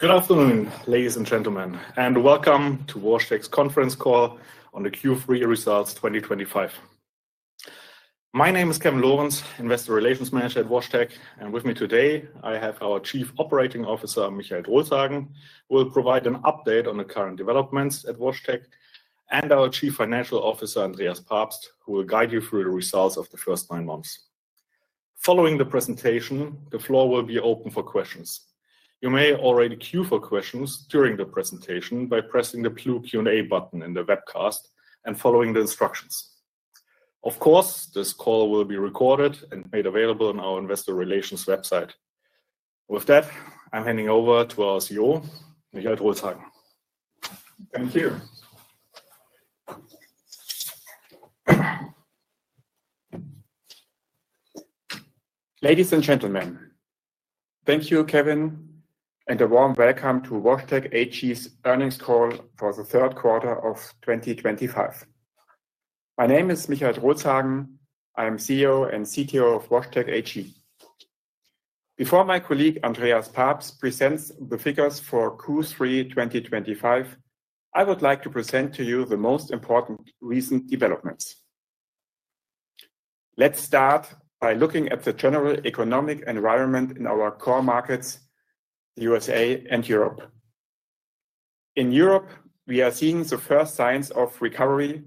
Good afternoon, ladies and gentlemen, and welcome to WashTec's conference call on the Q3 results 2025. My name is Kevin Lorenz, Investor Relations Manager at WashTec, and with me today, I have our Chief Executive Officer, Michael Drolshagen. We'll provide an update on the current developments at WashTec and our Chief Financial Officer, Andreas Pabst, who will guide you through the results of the first nine months. Following the presentation, the floor will be open for questions. You may already queue for questions during the presentation by pressing the blue Q&A button in the webcast and following the instructions. Of course, this call will be recorded and made available on our Investor Relations website. With that, I'm handing over to our CEO, Michael Drolshagen. Thank you. Ladies and gentlemen, thank you, Kevin, and a warm welcome to WashTec AG's earnings call for the third quarter of 2025. My name is Michael Drolshagen. I'm CEO and CTO of WashTec AG. Before my colleague Andreas Pabst presents the figures for Q3 2025, I would like to present to you the most important recent developments. Let's start by looking at the general economic environment in our core markets, the USA and Europe. In Europe, we are seeing the first signs of recovery,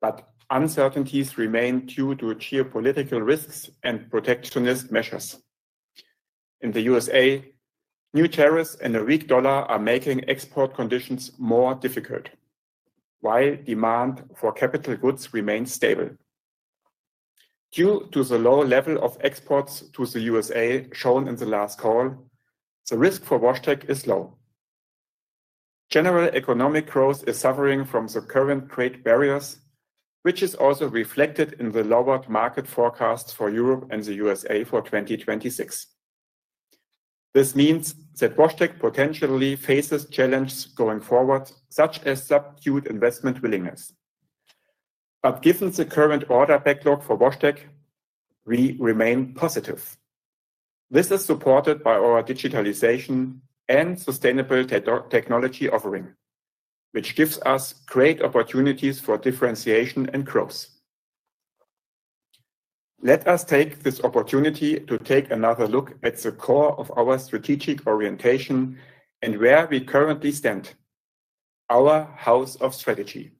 but uncertainties remain due to geopolitical risks and protectionist measures. In the USA, new tariffs and a weak dollar are making export conditions more difficult, while demand for capital goods remains stable. Due to the low level of exports to the USA shown in the last call, the risk for WashTec is low. General economic growth is suffering from the current trade barriers, which is also reflected in the lowered market forecasts for Europe and the USA for 2026. This means that WashTec potentially faces challenges going forward, such as subdued investment willingness. But given the current order backlog for WashTec, we remain positive. This is supported by our digitalization and sustainable technology offering, which gives us great opportunities for differentiation and growth. Let us take this opportunity to take another look at the core of our strategic orientation and where we currently stand: our House of Strategy.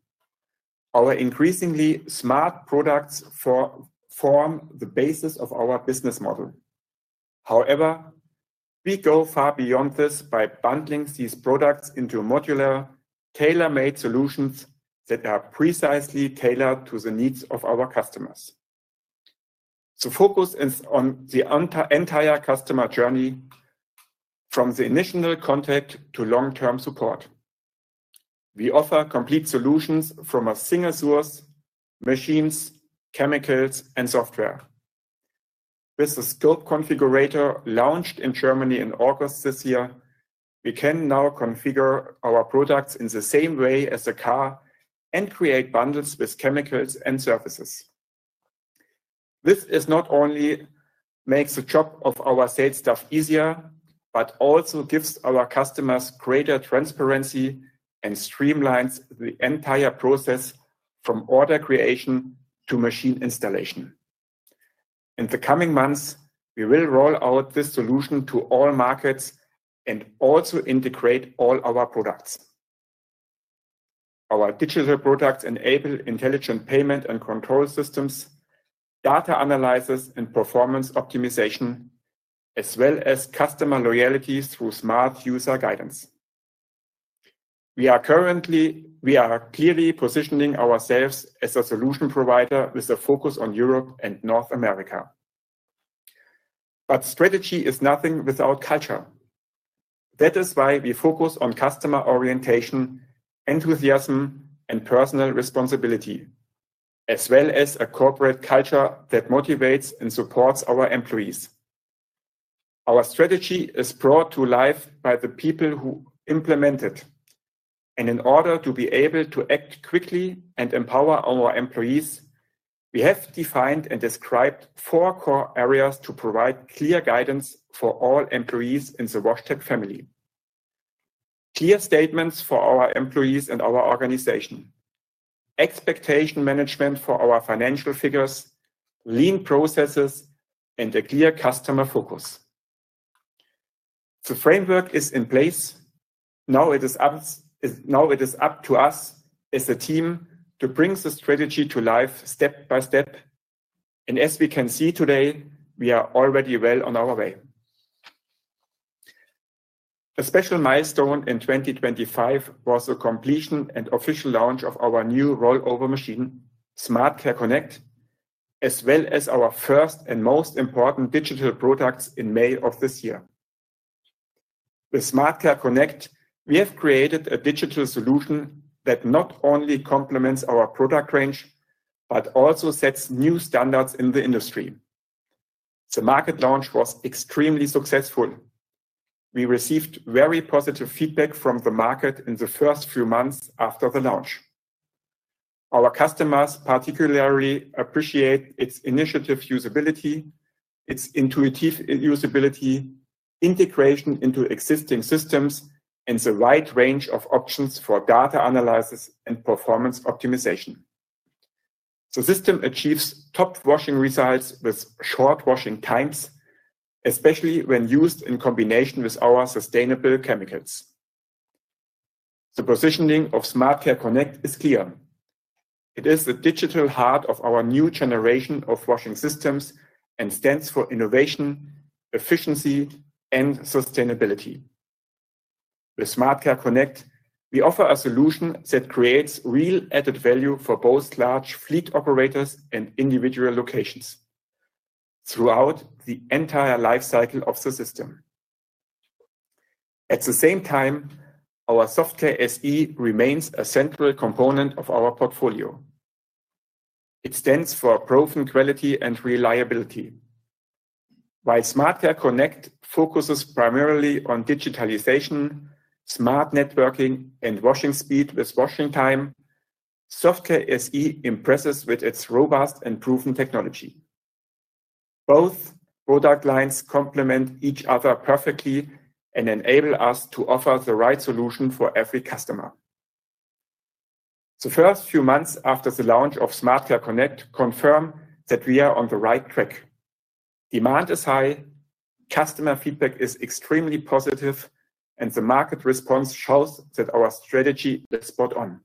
Our increasingly smart products form the basis of our business model. However, we go far beyond this by bundling these products into modular, tailor-made solutions that are precisely tailored to the needs of our customers. The focus is on the entire customer journey from the initial contact to long-term support. We offer complete solutions from a single source: machines, chemicals, and software. With the Scope Configurator launched in Germany in August this year, we can now configure our products in the same way as a car and create bundles with chemicals and services. This not only makes the job of our sales staff easier, but also gives our customers greater transparency and streamlines the entire process from order creation to machine installation. In the coming months, we will roll out this solution to all markets and also integrate all our products. Our digital products enable intelligent payment and control systems, data analysis, and performance optimization, as well as customer loyalty through smart user guidance. We are clearly positioning ourselves as a solution provider with a focus on Europe and North America. But strategy is nothing without culture. That is why we focus on customer orientation, enthusiasm, and personal responsibility, as well as a corporate culture that motivates and supports our employees. Our strategy is brought to life by the people who implement it. And in order to be able to act quickly and empower our employees, we have defined and described four core areas to provide clear guidance for all employees in the WashTec family: clear statements for our employees and our organization, expectation management for our financial figures, lean processes, and a clear customer focus. The framework is in place. Now it is up to us as a team to bring the strategy to life step by step. And as we can see today, we are already well on our way. A special milestone in 2025 was the completion and official launch of our new rollover machine, SmartCare Connect, as well as our first and most important digital products in May of this year. With SmartCare Connect, we have created a digital solution that not only complements our product range, but also sets new standards in the industry. The market launch was extremely successful. We received very positive feedback from the market in the first few months after the launch. Our customers particularly appreciate its intuitive usability, integration into existing systems, and the wide range of options for data analysis and performance optimization. The system achieves top washing results with short washing times, especially when used in combination with our sustainable chemicals. The positioning of SmartCare Connect is clear. It is the digital heart of our new generation of washing systems and stands for innovation, efficiency, and sustainability. With SmartCare Connect, we offer a solution that creates real added value for both large fleet operators and individual locations throughout the entire lifecycle of the system. At the same time, our SoftCare SE remains a central component of our portfolio. It stands for proven quality and reliability. While SmartCare Connect focuses primarily on digitalization, smart networking, and washing speed with washing time, SoftCare SE impresses with its robust and proven technology. Both product lines complement each other perfectly and enable us to offer the right solution for every customer. The first few months after the launch of SmartCare Connect confirm that we are on the right track. Demand is high, customer feedback is extremely positive, and the market response shows that our strategy is spot on.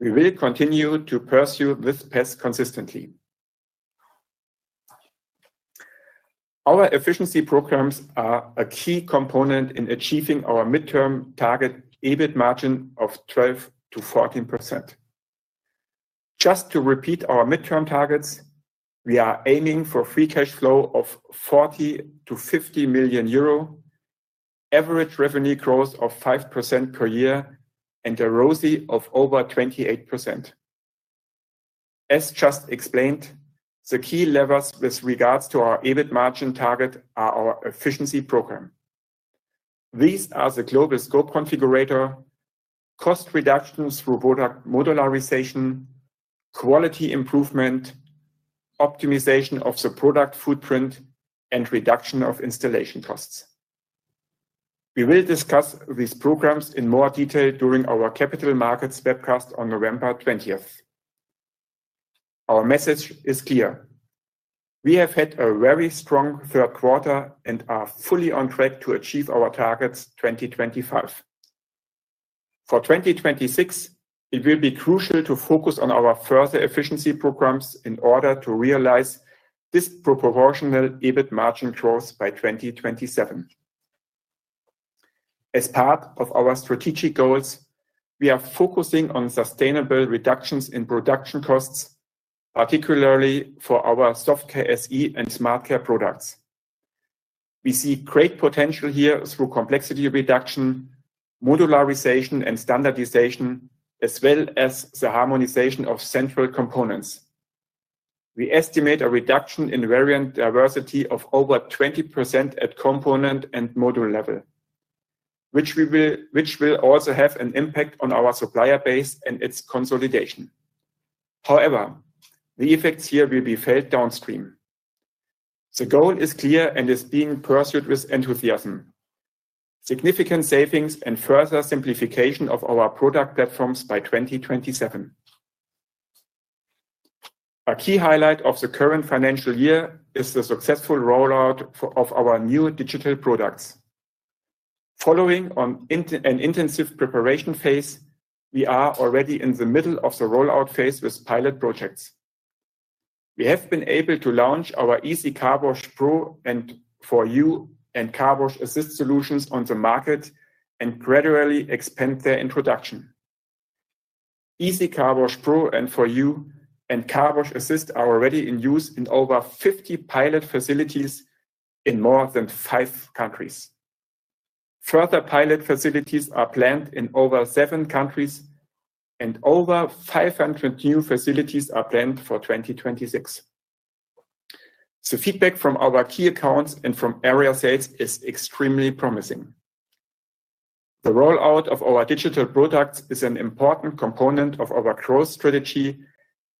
We will continue to pursue this path consistently. Our efficiency programs are a key component in achieving our midterm target EBIT margin of 12%-14%. Just to repeat our midterm targets, we are aiming for free cash flow of 40 million- 50 million euro, average revenue growth of 5% per year, and a ROCE of over 28%. As just explained, the key levers with regards to our EBIT margin target are our efficiency program. These are the global Scope Configurator, cost reductions through product modularization, quality improvement, optimization of the product footprint, and reduction of installation costs. We will discuss these programs in more detail during our Capital Markets webcast on November 20th. Our message is clear. We have had a very strong third quarter and are fully on track to achieve our targets 2025. For 2026, it will be crucial to focus on our further efficiency programs in order to realize disproportional EBIT margin growth by 2027. As part of our strategic goals, we are focusing on sustainable reductions in production costs, particularly for our SoftCare SE and SmartCare products. We see great potential here through complexity reduction, modularization, and standardization, as well as the harmonization of central components. We estimate a reduction in variant diversity of over 20% at component and module level, which will also have an impact on our supplier base and its consolidation. However, the effects here will be felt downstream. The goal is clear and is being pursued with enthusiasm: significant savings and further simplification of our product platforms by 2027. A key highlight of the current financial year is the successful rollout of our new digital products. Following an intensive preparation phase, we are already in the middle of the rollout phase with pilot projects. We have been able to launch our EasyCarWash Pro and for You and CarWash Assist solutions on the market and gradually expand their introduction. EasyCarWash Pro and for You and CarWash Assist are already in use in over 50 pilot facilities in more than five countries. Further pilot facilities are planned in over seven countries, and over 500 new facilities are planned for 2026. The feedback from our key accounts and from area sales is extremely promising. The rollout of our digital products is an important component of our growth strategy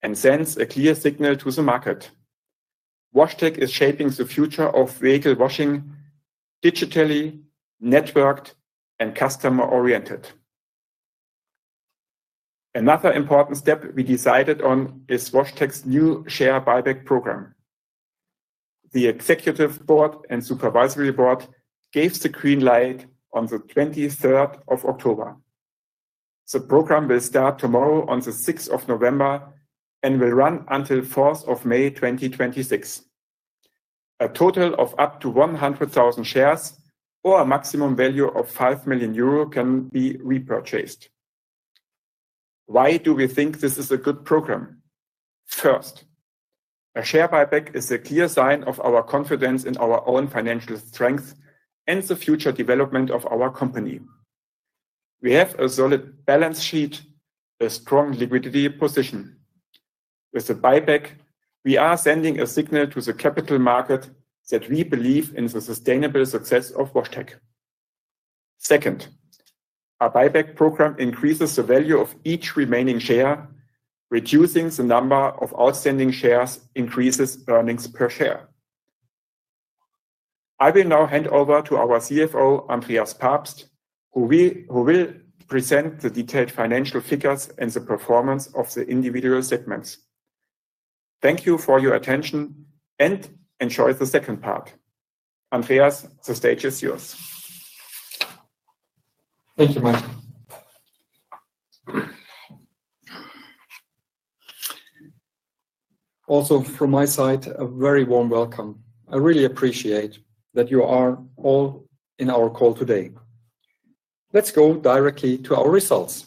and sends a clear signal to the market. WashTec is shaping the future of vehicle washing digitally, networked, and customer-oriented. Another important step we decided on is WashTec's new share buyback program. The executive board and supervisory board gave the green light on the 23rd of October. The program will start tomorrow, on the 6th of November, and will run until 4th of May 2026. A total of up to 100,000 shares or a maximum value of 5 million euro can be repurchased. Why do we think this is a good program? First, a share buyback is a clear sign of our confidence in our own financial strength and the future development of our company. We have a solid balance sheet and a strong liquidity position. With the buyback, we are sending a signal to the capital market that we believe in the sustainable success of WashTec. Second, our buyback program increases the value of each remaining share, reducing the number of outstanding shares and increases earnings per share. I will now hand over to our CFO, Andreas Pabst, who will present the detailed financial figures and the performance of the individual segments. Thank you for your attention and enjoy the second part. Andreas, the stage is yours. Thank you, Michael. Also, from my side, a very warm welcome. I really appreciate that you are all in our call today. Let's go directly to our results.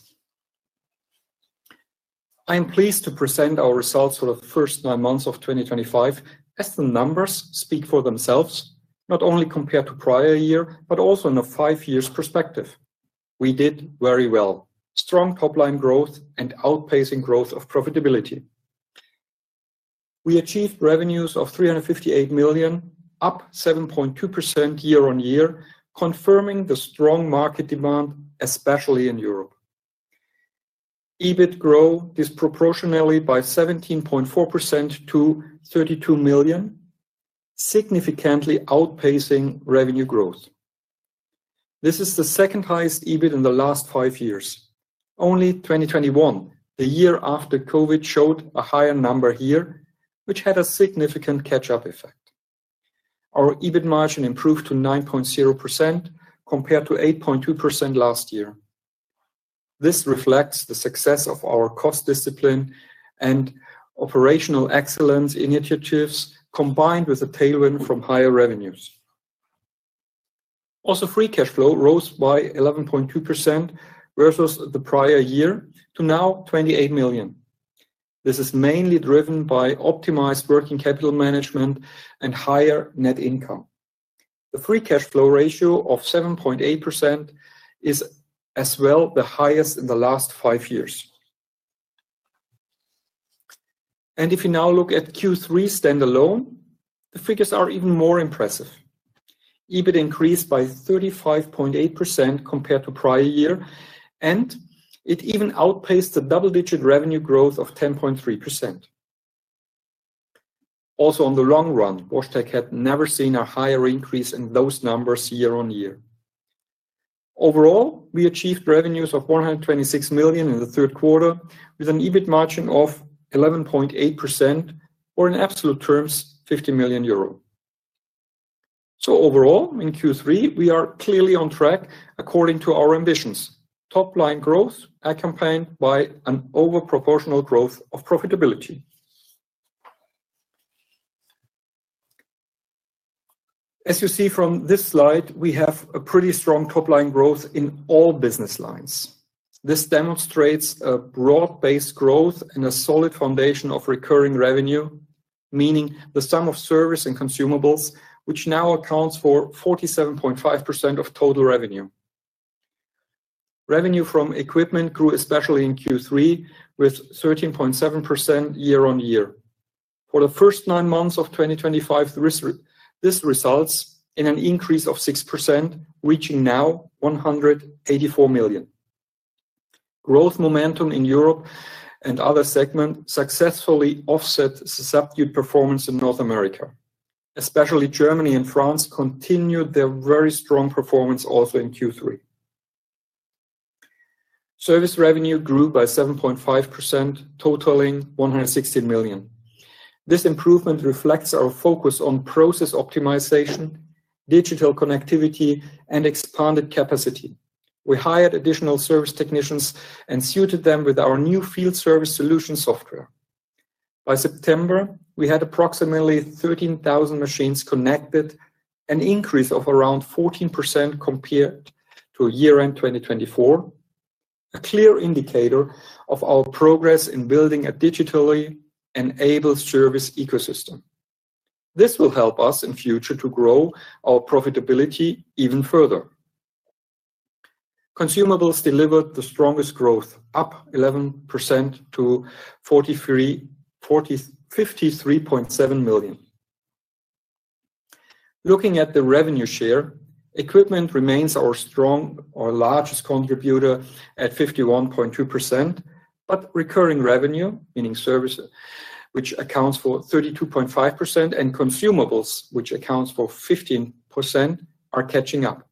I am pleased to present our results for the first nine months of 2025, as the numbers speak for themselves, not only compared to the prior year, but also in a five-year perspective. We did very well: strong top-line growth and outpacing growth of profitability. We achieved revenues of 358 million, up 7.2% year-on-year, confirming the strong market demand, especially in Europe. EBIT grew disproportionately by 17.4% to 32 million, significantly outpacing revenue growth. This is the second highest EBIT in the last five years. Only 2021, the year after COVID, showed a higher number here, which had a significant catch-up effect. Our EBIT margin improved to 9.0% compared to 8.2% last year. This reflects the success of our cost discipline and operational excellence initiatives, combined with a tailwind from higher revenues. Also, free cash flow rose by 11.2% versus the prior year to now 28 million. This is mainly driven by optimized working capital management and higher net income. The free cash flow ratio of 7.8% is as well the highest in the last five years. And if you now look at Q3 standalone, the figures are even more impressive. EBIT increased by 35.8% compared to the prior year, and it even outpaced the double-digit revenue growth of 10.3%. Also, in the long run, WashTec had never seen a higher increase in those numbers year-on-year. Overall, we achieved revenues of 126 million in the third quarter with an EBIT margin of 11.8%, or in absolute terms, 50 million euro. So overall, in Q3, we are clearly on track according to our ambitions. Top-line growth accompanied by an overproportional growth of profitability. As you see from this slide, we have a pretty strong top-line growth in all business lines. This demonstrates a broad-based growth and a solid foundation of recurring revenue, meaning the sum of service and consumables, which now accounts for 47.5% of total revenue. Revenue from equipment grew especially in Q3 with 13.7% year-on-year. For the first nine months of 2025, this results in an increase of 6%, reaching now 184 million. Growth momentum in Europe and other segments successfully offsets subdued performance in North America. Especially Germany and France continued their very strong performance also in Q3. Service revenue grew by 7.5%, totaling 116 million. This improvement reflects our focus on process optimization, digital connectivity, and expanded capacity. We hired additional service technicians and suited them with our new field service solution software. By September, we had approximately 13,000 machines connected, an increase of around 14% compared to year-end 2024, a clear indicator of our progress in building a digitally enabled service ecosystem. This will help us in the future to grow our profitability even further. Consumables delivered the strongest growth, up 11% to 53.7 million. Looking at the revenue share, equipment remains our strong or largest contributor at 51.2%, but recurring revenue, meaning services, which accounts for 32.5%, and consumables, which accounts for 15%, are catching up.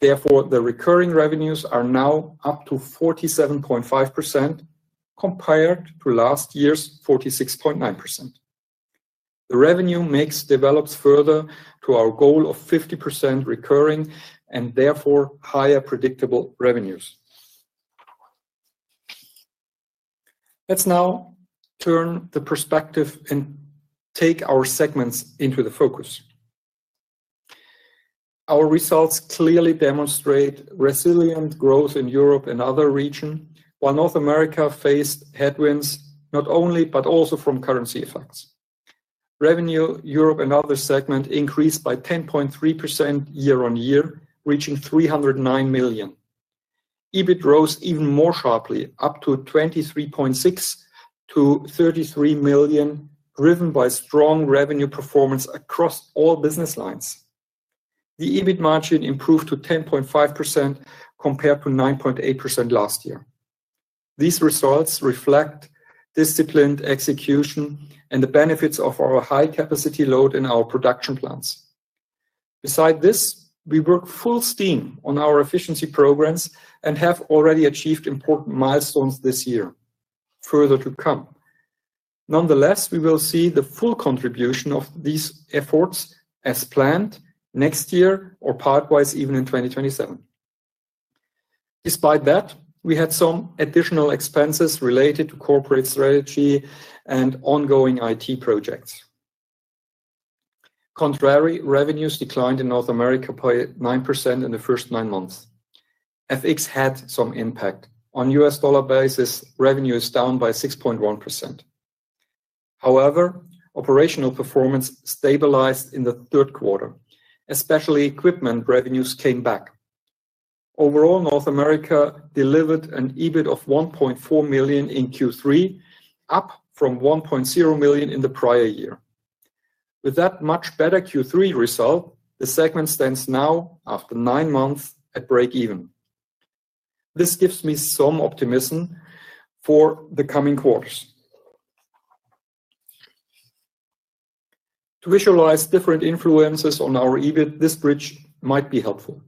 Therefore, the recurring revenues are now up to 47.5% compared to last year's 46.9%. The revenue mix develops further to our goal of 50% recurring and therefore higher predictable revenues. Let's now turn the perspective and take our segments into the focus. Our results clearly demonstrate resilient growth in Europe and other regions, while North America faced headwinds not only but also from currency effects. Revenue Europe and other segments increased by 10.3% year-on-year, reaching 309 million. EBIT rose even more sharply, up from 23.6 million to 33 million, driven by strong revenue performance across all business lines. The EBIT margin improved to 10.5% compared to 9.8% last year. These results reflect disciplined execution and the benefits of our high-capacity load in our production plants. Besides this, we work full steam on our efficiency programs and have already achieved important milestones this year, further to come. Nonetheless, we will see the full contribution of these efforts as planned next year or part-wise even in 2027. Despite that, we had some additional expenses related to corporate strategy and ongoing IT projects. Contrary, revenues declined in North America by 9% in the first nine months. FX had some impact. On US dollar basis, revenue is down by 6.1%. However, operational performance stabilized in the third quarter. Especially equipment revenues came back. Overall, North America delivered an EBIT of 1.4 million in Q3, up from 1.0 million in the prior year. With that much better Q3 result, the segment stands now, after nine months, at break-even. This gives me some optimism for the coming quarters. To visualize different influences on our EBIT, this bridge might be helpful.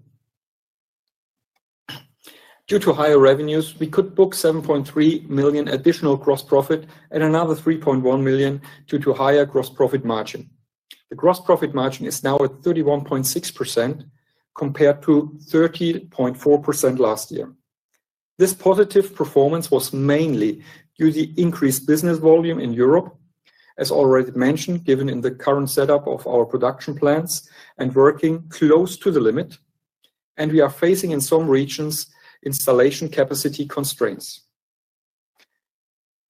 Due to higher revenues, we could book 7.3 million additional gross profit and another 3.1 million due to higher gross profit margin. The gross profit margin is now at 31.6% compared to 30.4% last year. This positive performance was mainly due to the increased business volume in Europe, as already mentioned, given the current setup of our production plants and working close to the limit, and we are facing in some regions installation capacity constraints.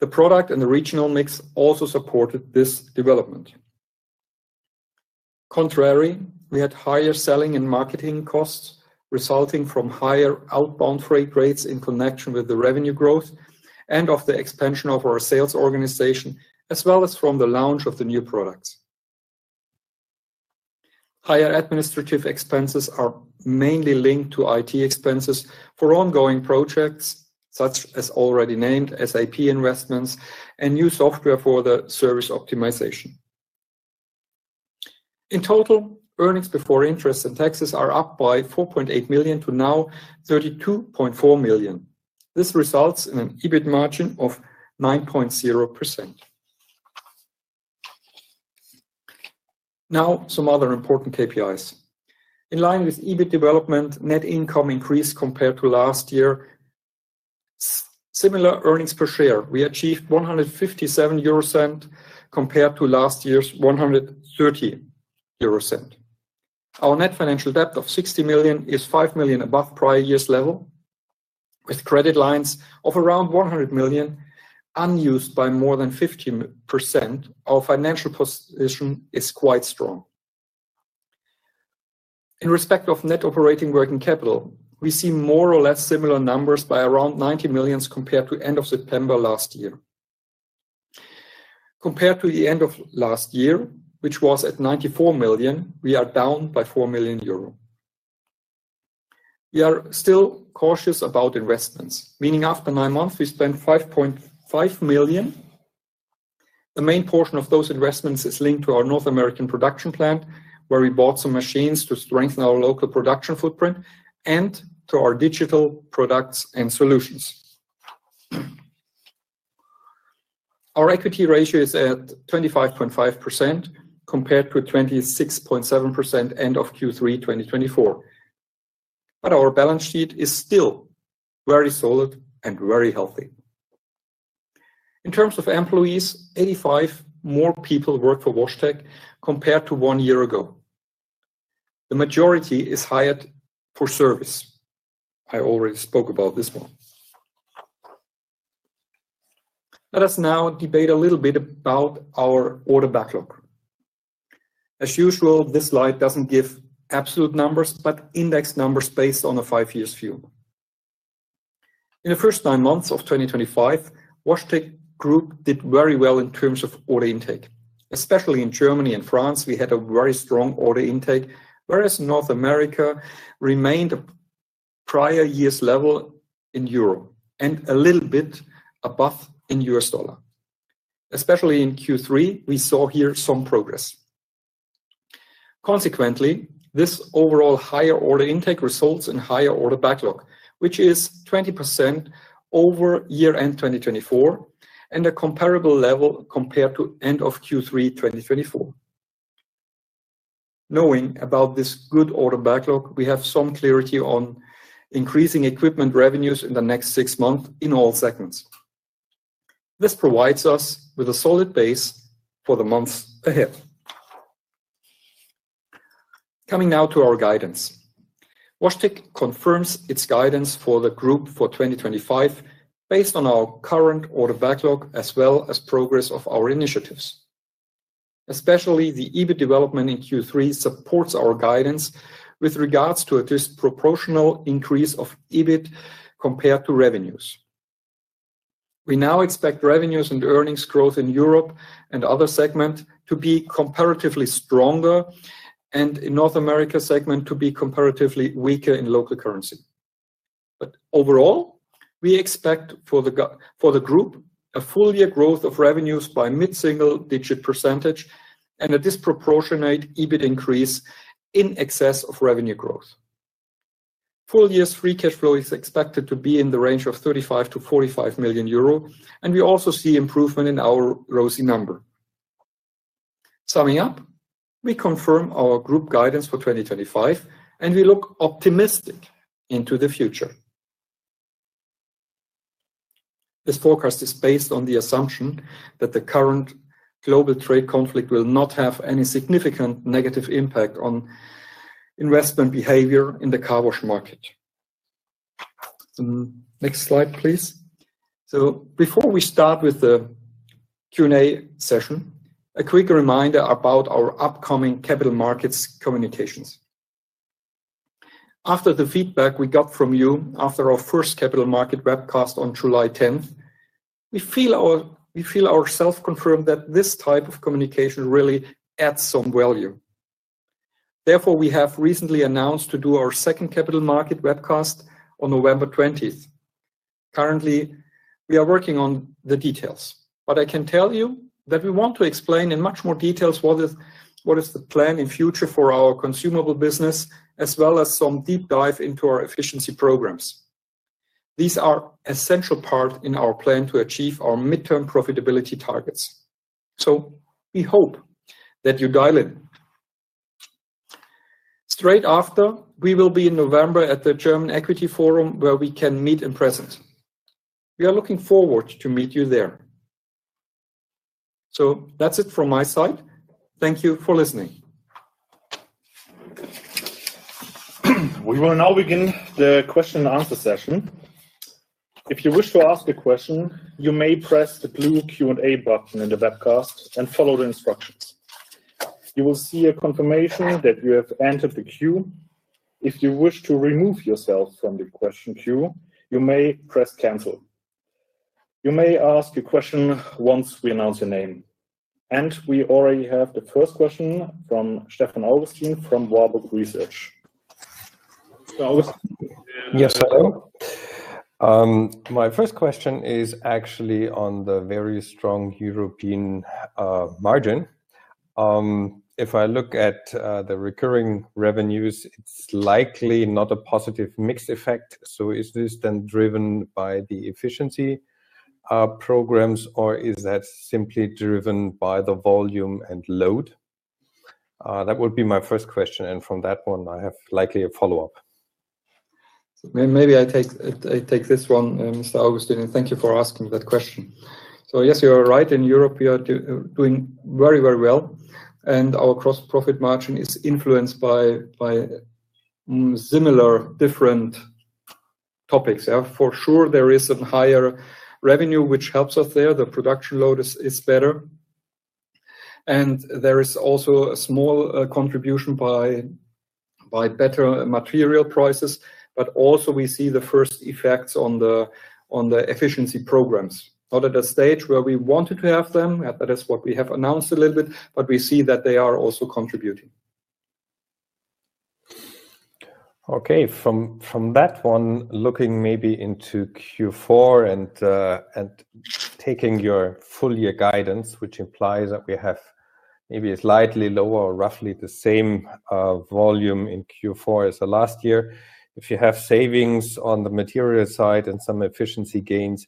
The product and the regional mix also supported this development. Contrary, we had higher selling and marketing costs resulting from higher outbound freight rates in connection with the revenue growth and of the expansion of our sales organization, as well as from the launch of the new products. Higher administrative expenses are mainly linked to IT expenses for ongoing projects, such as already named SAP investments and new software for the service optimization. In total, earnings before interest and taxes are up by 4.8 million to now 32.4 million. This results in an EBIT margin of 9.0%. Now, some other important KPIs. In line with EBIT development, net income increased compared to last year. Similar earnings per share. We achieved 1.57 euro compared to last year's 1.30 euro. Our net financial debt of 60 million is 5 million above prior year's level, with credit lines of around 100 million unused by more than 50%. Our financial position is quite strong. In respect of net operating working capital, we see more or less similar numbers by around 90 million compared to the end of September last year. Compared to the end of last year, which was at 94 million, we are down by 4 million euro. We are still cautious about investments, meaning after nine months, we spent 5.5 million. The main portion of those investments is linked to our North American production plant, where we bought some machines to strengthen our local production footprint and to our digital products and solutions. Our equity ratio is at 25.5% compared to 26.7% end of Q3 2024. But our balance sheet is still very solid and very healthy. In terms of employees, 85 more people work for WashTec compared to one year ago. The majority is hired for service. I already spoke about this one. Let us now debate a little bit about our order backlog. As usual, this slide doesn't give absolute numbers but indexed numbers based on a five-year view. In the first nine months of 2025, WashTec Group did very well in terms of order intake. Especially in Germany and France, we had a very strong order intake, whereas North America remained at prior year's level in Europe and a little bit above in US dollar. Especially in Q3, we saw here some progress. Consequently, this overall higher order intake results in higher order backlog, which is 20% over year-end 2024 and a comparable level compared to end of Q3 2024. Knowing about this good order backlog, we have some clarity on increasing equipment revenues in the next six months in all segments. This provides us with a solid base for the months ahead. Coming now to our guidance. WashTec confirms its guidance for the group for 2025 based on our current order backlog as well as progress of our initiatives. Especially the EBIT development in Q3 supports our guidance with regards to a disproportional increase of EBIT compared to revenues. We now expect revenues and earnings growth in Europe and other segments to be comparatively stronger and in North America segment to be comparatively weaker in local currency. But overall, we expect for the group a full-year growth of revenues by mid-single-digit percentage and a disproportionate EBIT increase in excess of revenue growth. Full-year's free cash flow is expected to be in the range of 35-45 million euro, and we also see improvement in our ROCE number. Summing up, we confirm our group guidance for 2025, and we look optimistic into the future. This forecast is based on the assumption that the current global trade conflict will not have any significant negative impact on investment behavior in the car wash market. Next slide, please. So before we start with the Q&A session, a quick reminder about our upcoming capital markets communications. After the feedback we got from you after our first capital market webcast on July 10th, we feel ourselves confirmed that this type of communication really adds some value. Therefore, we have recently announced to do our second capital market webcast on November 20th. Currently, we are working on the details, but I can tell you that we want to explain in much more detail what is the plan in future for our consumable business, as well as some deep dive into our efficiency programs. These are an essential part in our plan to achieve our midterm profitability targets, so we hope that you dial in. Straight after, we will be in November at the German Equity Forum, where we can meet in person. We are looking forward to meeting you there, so that's it from my side. Thank you for listening. We will now begin the question and answer session. If you wish to ask a question, you may press the blue Q&A button in the webcast and follow the instructions. You will see a confirmation that you have entered the queue. If you wish to remove yourself from the question queue, you may press cancel. You may ask a question once we announce your name. And we already have the first question from Stefan Augustin from Warburg Research. Yes, I am. My first question is actually on the very strong European margin. If I look at the recurring revenues, it's likely not a positive mixed effect. So is this then driven by the efficiency programs, or is that simply driven by the volume and load? That would be my first question, and from that one, I have likely a follow-up. Maybe I take this one, Mr. Augustin. Thank you for asking that question. So yes, you are right. In Europe, we are doing very, very well, and our gross profit margin is influenced by similar different topics. For sure, there is a higher revenue, which helps us there. The production load is better. And there is also a small contribution by better material prices, but also we see the first effects on the efficiency programs. Not at a stage where we wanted to have them. That is what we have announced a little bit, but we see that they are also contributing. Okay. From that one, looking maybe into Q4 and taking your full year guidance, which implies that we have maybe a slightly lower or roughly the same volume in Q4 as last year, if you have savings on the material side and some efficiency gains,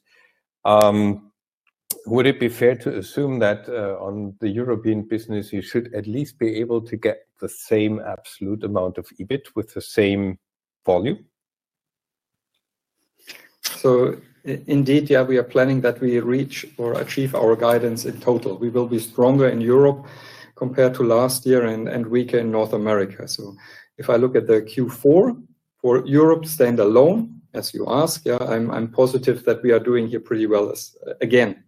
would it be fair to assume that on the European business, you should at least be able to get the same absolute amount of EBIT with the same volume? So indeed, yeah, we are planning that we reach or achieve our guidance in total. We will be stronger in Europe compared to last year and weaker in North America. So if I look at the Q4 for Europe standalone, as you asked, yeah, I'm positive that we are doing here pretty well again.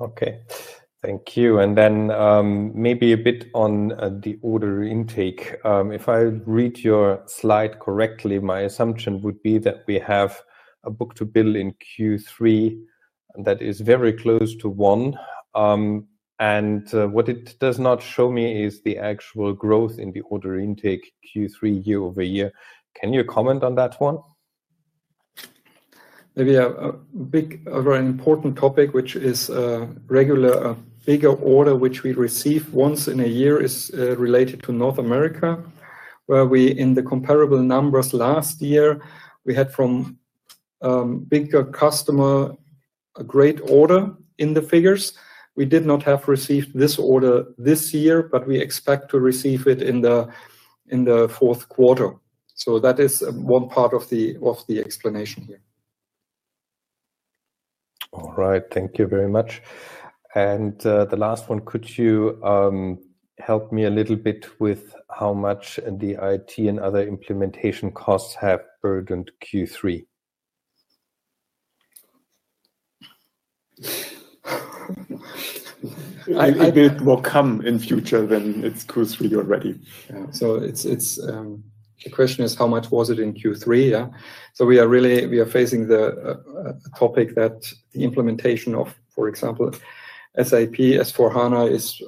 Okay. Thank you. And then maybe a bit on the order intake. If I read your slide correctly, my assumption would be that we have a book-to-bill in Q3 that is very close to one. And what it does not show me is the actual growth in the order intake Q3 year-over-year. Can you comment on that one? Maybe a big or very important topic, which is a regular bigger order, which we receive once in a year, is related to North America, where in the comparable numbers last year, we had from bigger customer a great order in the figures. We did not have received this order this year, but we expect to receive it in the fourth quarter. So that is one part of the explanation here. All right. Thank you very much. And the last one, could you help me a little bit with how much the IT and other implementation costs have burdened Q3? A bit more come in future than it's Q3 already. So the question is, how much was it in Q3? So we are facing the topic that the implementation of, for example, SAP S/4HANA is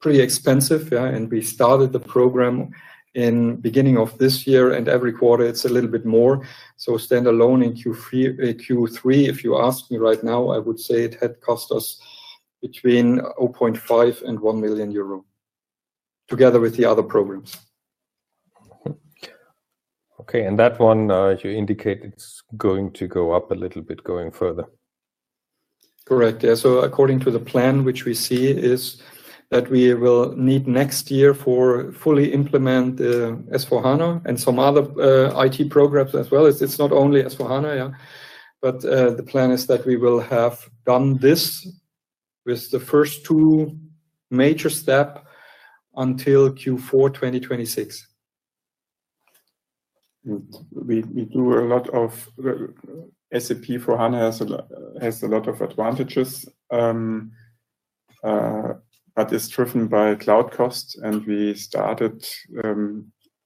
pretty expensive. And we started the program in the beginning of this year, and every quarter, it's a little bit more. So standalone in Q3, if you ask me right now, I would say it had cost us between 0.5 million and 1 million euro together with the other programs. Okay. And that one, you indicate it's going to go up a little bit going further. Correct. Yeah. So according to the plan, which we see is that we will need next year for fully implement S/4HANA and some other IT programs as well. It's not only S/4HANA, yeah. But the plan is that we will have done this with the first two major steps until Q4 2026. We do a lot of S/4HANA has a lot of advantages, but it's driven by cloud costs. We started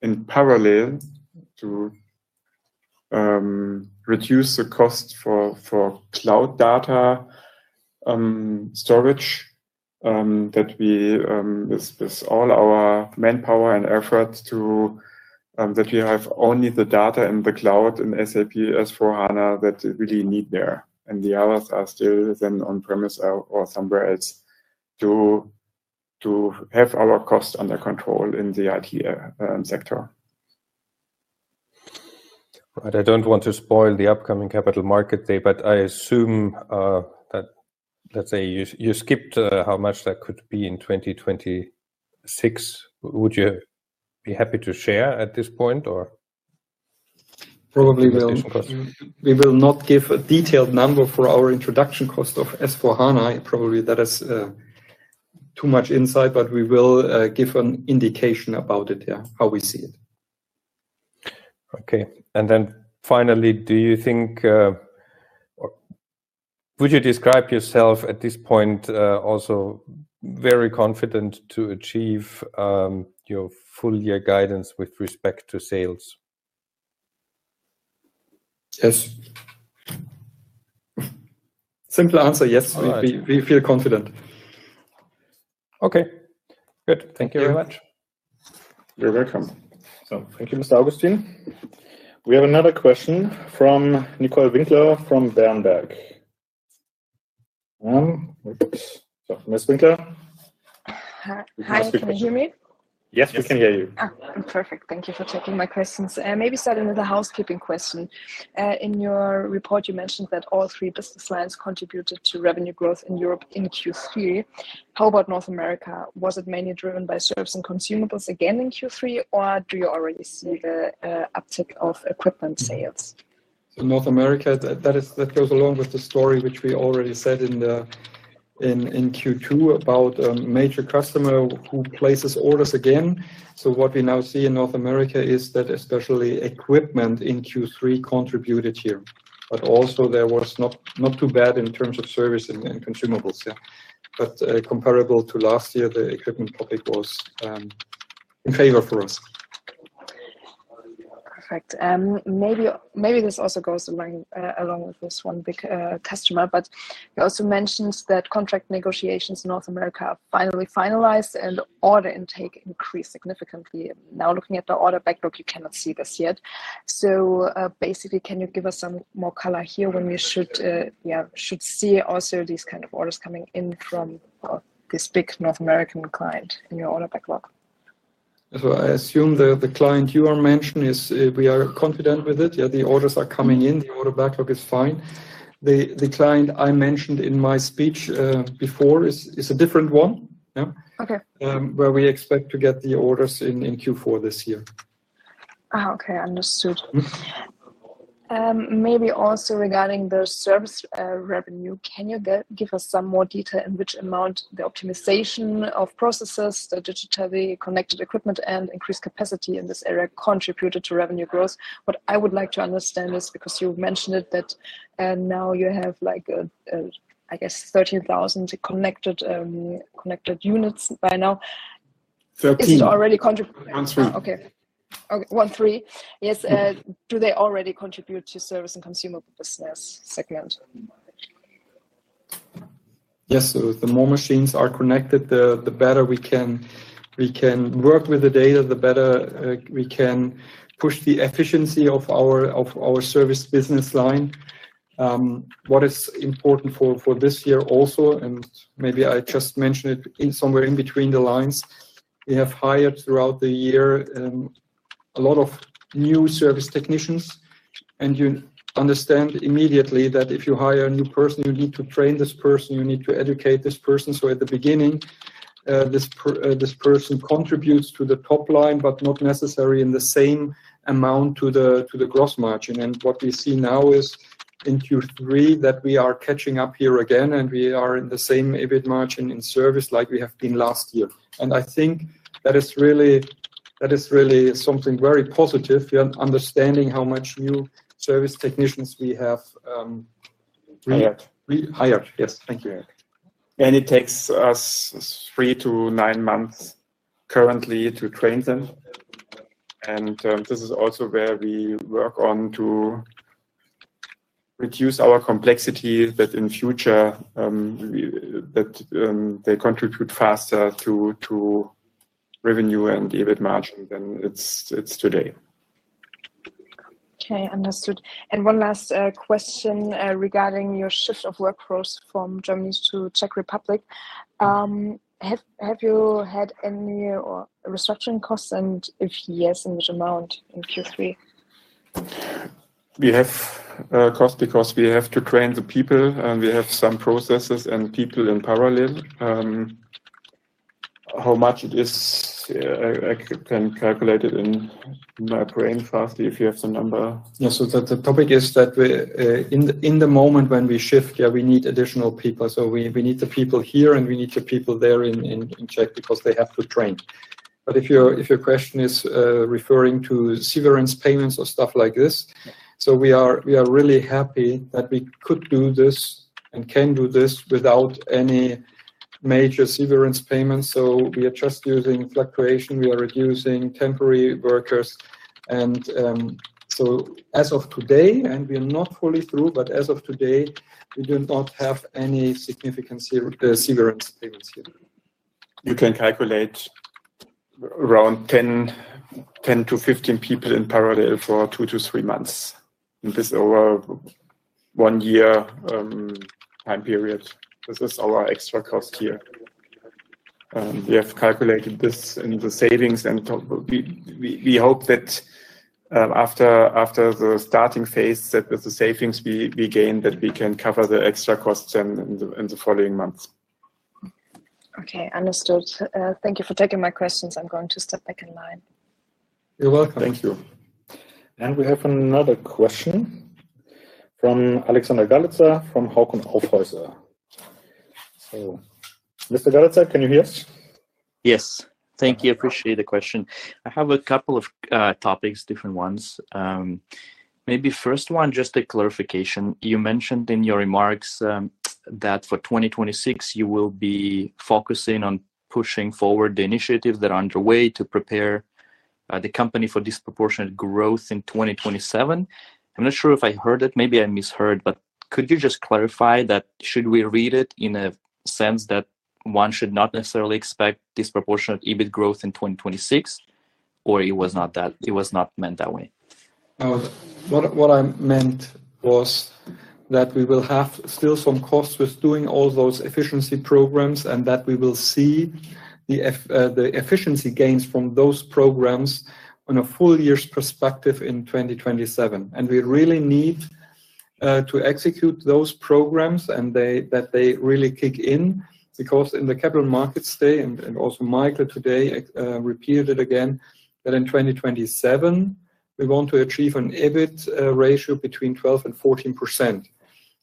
in parallel to reduce the cost for cloud data storage that we, with all our manpower and efforts, to that we have only the data in the cloud in SAP S/4HANA that we really need there. The others are still then on-premise or somewhere else to have our cost under control in the IT sector. I don't want to spoil the upcoming capital market day, but I assume that, let's say, you skipped how much that could be in 2026. Would you be happy to share at this point or? Probably will. We will not give a detailed number for our introduction cost of S/4HANA. Probably that is too much insight, but we will give an indication about it, yeah, how we see it. Okay. And then finally, do you think would you describe yourself at this point also very confident to achieve your full year guidance with respect to sales? Yes. Simple answer, yes. We feel confident. Okay. Good. Thank you very much. You're welcome. So thank you, Mr. Augustin. We have another question from Nicole Winkler from Berenberg. Oops. So Ms. Winkler. Hi. Can you hear me? Yes, we can hear you. Perfect. Thank you for taking my questions. Maybe starting with a housekeeping question. In your report, you mentioned that all three business lines contributed to revenue growth in Europe in Q3. How about North America? Was it mainly driven by service and consumables again in Q3, or do you already see the uptick of equipment sales? So North America, that goes along with the story which we already said in Q2 about a major customer who places orders again. So what we now see in North America is that especially equipment in Q3 contributed here, but also there was not too bad in terms of service and consumables, yeah. But comparable to last year, the equipment topic was in favor for us. Perfect. Maybe this also goes along with this one big customer, but you also mentioned that contract negotiations in North America are finally finalized and order intake increased significantly. Now looking at the order backlog, you cannot see this yet. So basically, can you give us some more color here when we should see also these kind of orders coming in from this big North American client in your order backlog? So I assume the client you are mentioning is we are confident with it. Yeah, the orders are coming in. The order backlog is fine. The client I mentioned in my speech before is a different one, yeah, where we expect to get the orders in Q4 this year. Okay. Understood. Maybe also regarding the service revenue, can you give us some more detail in which amount the optimization of processes, the digitally connected equipment, and increased capacity in this area contributed to revenue growth? What I would like to understand is, because you mentioned it, that now you have, I guess, 13,000 connected units by now. Is it already contributing? 13. Okay. 13. Yes. Do they already contribute to service and consumable business segment? Yes. So the more machines are connected, the better we can work with the data, the better we can push the efficiency of our service business line. What is important for this year also, and maybe I just mentioned it somewhere between the lines, we have hired throughout the year a lot of new service technicians, and you understand immediately that if you hire a new person, you need to train this person. You need to educate this person, so at the beginning, this person contributes to the top line, but not necessarily in the same amount to the gross margin, and what we see now is in Q3 that we are catching up here again, and we are in the same EBIT margin in service like we have been last year, and I think that is really something very positive, understanding how much new service technicians we have hired. Yes. Thank you And it takes us three to nine months currently to train them. And this is also where we work on to reduce our complexity, that in future, they contribute faster to revenue and EBIT margin than it's today. Okay. Understood. And one last question regarding your shift of workforce from Germany to Czech Republic. Have you had any restructuring costs? And if yes, in which amount in Q3? We have costs because we have to train the people, and we have some processes and people in parallel. How much it is, I can calculate it in my brain fast if you have the number. Yeah. So the topic is that in the moment when we shift, yeah, we need additional people. So we need the people here, and we need the people there in Czech because they have to train. But if your question is referring to severance payments or stuff like this, so we are really happy that we could do this and can do this without any major severance payments. So we are just using fluctuation. We are reducing temporary workers. And so as of today, and we are not fully through, but as of today, we do not have any significant severance payments here. You can calculate around 10-15 people in parallel for two to three months in this over one year time period. This is our extra cost here. We have calculated this in the savings, and we hope that after the starting phase with the savings we gain, that we can cover the extra costs in the following months. Okay. Understood. Thank you for taking my questions. I'm going to step back in line. You're welcome. Thank you. We have another question from Alexander Galitsa from Hauck & Aufhäuser. So, Mr. Galitsa, can you hear us? Yes. Thank you. I appreciate the question. I have a couple of topics, different ones. Maybe first one, just a clarification. You mentioned in your remarks that for 2026, you will be focusing on pushing forward the initiatives that are underway to prepare the company for disproportionate growth in 2027. I'm not sure if I heard it. Maybe I misheard, but could you just clarify that? Should we read it in a sense that one should not necessarily expect disproportionate EBIT growth in 2026, or it was not meant that way? What I meant was that we will have still some costs with doing all those efficiency programs and that we will see the efficiency gains from those programs on a full year's perspective in 2027. And we really need to execute those programs and that they really kick in because in the capital markets today, and also Michael today repeated it again, that in 2027, we want to achieve an EBIT ratio between 12% and 14%.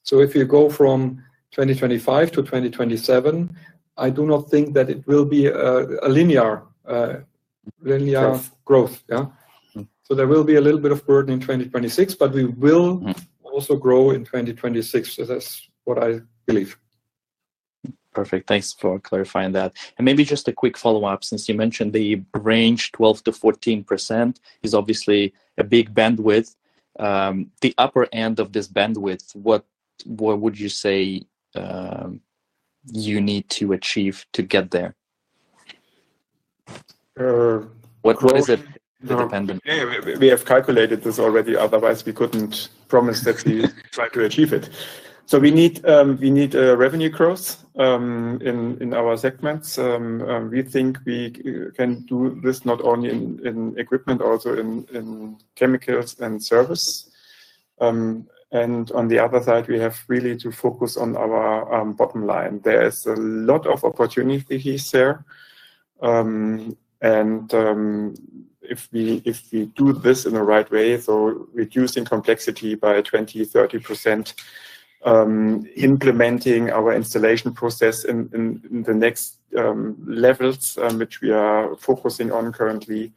So if you go from 2025 to 2027, I do not think that it will be a linear growth, yeah. So there will be a little bit of burden in 2026, but we will also grow in 2026. That's what I believe. Perfect. Thanks for clarifying that. And maybe just a quick follow-up, since you mentioned the range 12%-14% is obviously a big bandwidth. The upper end of this bandwidth, what would you say you need to achieve to get there? What is it? We have calculated this already. Otherwise, we couldn't promise that we try to achieve it. So we need revenue growth in our segments. We think we can do this not only in equipment, also in chemicals and service. And on the other side, we have really to focus on our bottom line. There is a lot of opportunities there. And if we do this in the right way, so reducing complexity by 20%-30%, implementing our installation process in the next levels, which we are focusing on currently.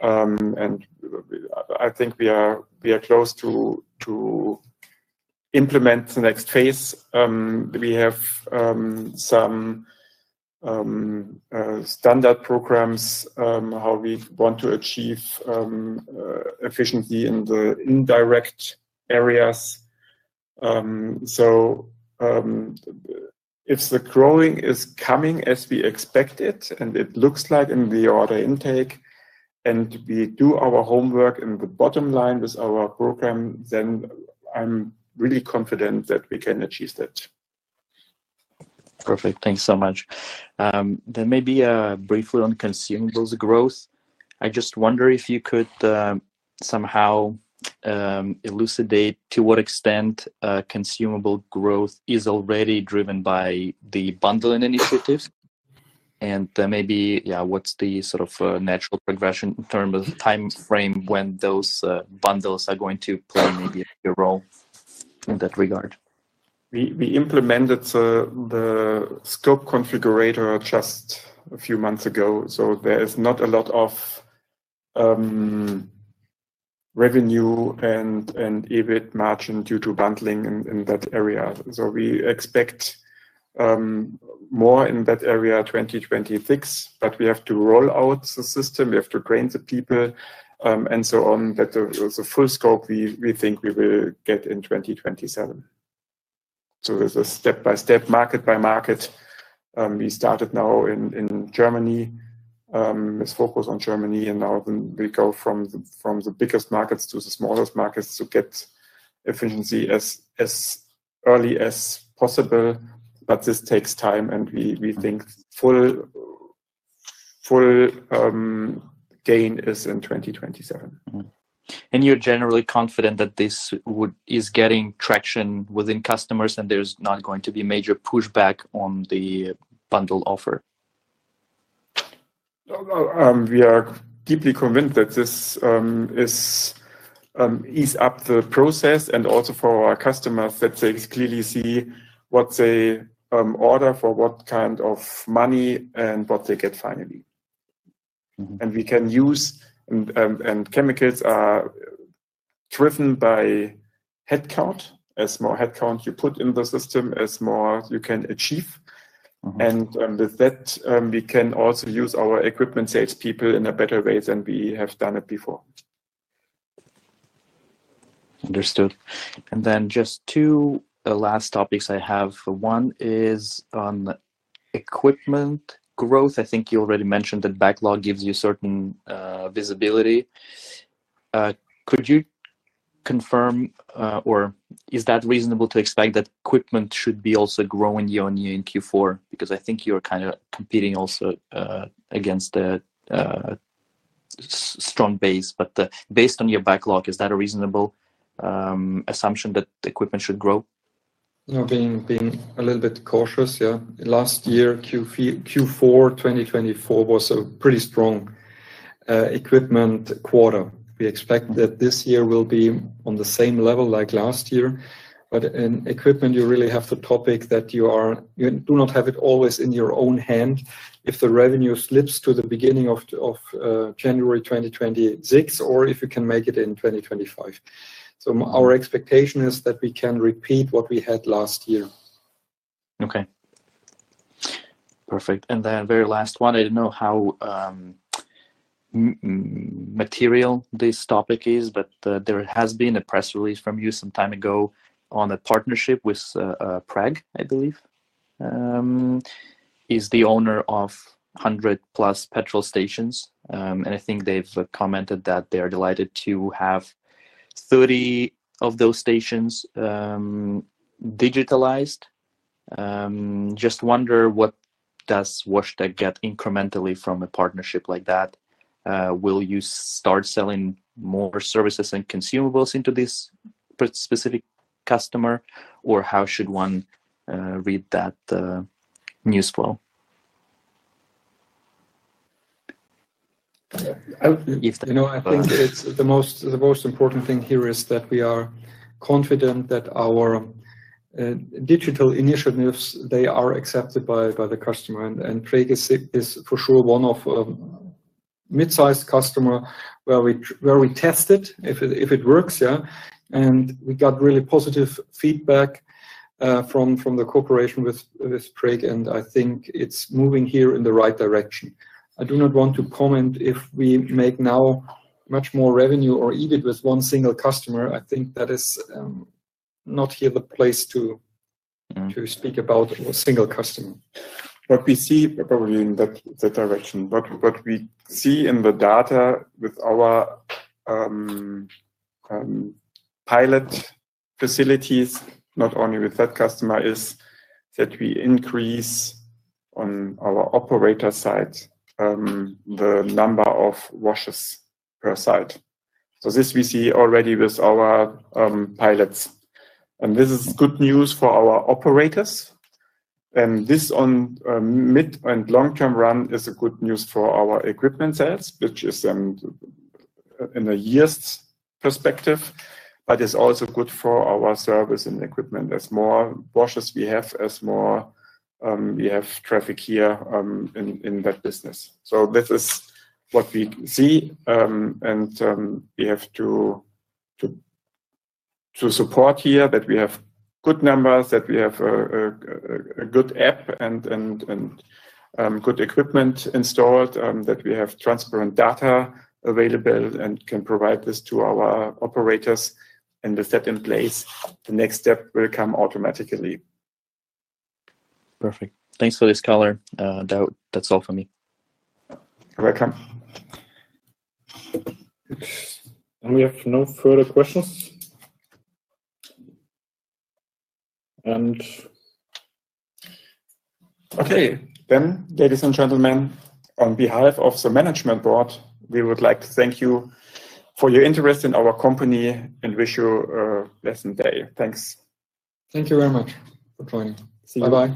And I think we are close to implement the next phase. We have some standard programs, how we want to achieve efficiency in the indirect areas. So if the growing is coming as we expect it, and it looks like in the order intake, and we do our homework in the bottom line with our program, then I'm really confident that we can achieve that. Perfect. Thanks so much. Then maybe briefly on consumables growth. I just wonder if you could somehow elucidate to what extent consumable growth is already driven by the bundling initiatives. And maybe, yeah, what's the sort of natural progression in terms of time frame when those bundles are going to play maybe a bigger role in that regard? We implemented the Scope Configurator just a few months ago. So there is not a lot of revenue and EBIT margin due to bundling in that area. So we expect more in that area 2026, but we have to roll out the system. We have to train the people and so on that the full scope we think we will get in 2027. So there's a step-by-step, market-by-market. We started now in Germany, with focus on Germany, and now we go from the biggest markets to the smallest markets to get efficiency as early as possible. But this takes time, and we think full gain is in 2027. And you're generally confident that this is getting traction within customers and there's not going to be major pushback on the bundle offer? We are deeply convinced that this eases up the process and also for our customers that they clearly see what they order for what kind of money and what they get finally. And we can use, and chemicals are driven by headcount. As more headcount you put in the system, as more you can achieve. And with that, we can also use our equipment salespeople in a better way than we have done it before. Understood. And then just two last topics I have. One is on equipment growth. I think you already mentioned that backlog gives you certain visibility. Could you confirm, or is that reasonable to expect that equipment should be also growing year on year in Q4? Because I think you're kind of competing also against a strong base. But based on your backlog, is that a reasonable assumption that equipment should grow? Being a little bit cautious, yeah. Last year, Q4 2024 was a pretty strong equipment quarter. We expect that this year will be on the same level like last year. But in equipment, you really have the topic that you do not have it always in your own hand if the revenue slips to the beginning of January 2026 or if you can make it in 2025. So our expectation is that we can repeat what we had last year. Okay. Perfect. And then very last one. I don't know how material this topic is, but there has been a press release from you some time ago on a partnership with Präg, I believe. He's the owner of 100+ petrol stations. And I think they've commented that they are delighted to have 30 of those stations digitalized. Just wonder what does WashTec get incrementally from a partnership like that? Will you start selling more services and consumables into this specific customer, or how should one read that news flow? I think the most important thing here is that we are confident that our digital initiatives, they are accepted by the customer. And Präg is for sure one of a mid-sized customer where we test it if it works, yeah. And we got really positive feedback from the cooperation with Präg, and I think it's moving here in the right direction. I do not want to comment if we make now much more revenue or EBIT with one single customer. I think that is not here the place to speak about a single customer. What we see probably in that direction, what we see in the data with our pilot facilities, not only with that customer, is that we increase on our operator side the number of washers per site, so this we see already with our pilots, and this is good news for our operators, and this, on mid- and long-term run, is good news for our equipment sales, which is in a year's perspective, but it's also good for our service and equipment. As more washers we have, as more we have traffic here in that business, so this is what we see. And we have to support here that we have good numbers, that we have a good app and good equipment installed, that we have transparent data available and can provide this to our operators. And with that in place, the next step will come automatically. Perfect. Thanks for this color. That's all for me. You're welcome. And we have no further questions. And okay. Then, ladies and gentlemen, on behalf of the management board, we would like to thank you for your interest in our company and wish you a pleasant day. Thanks. Thank you very much for joining. See you. Bye.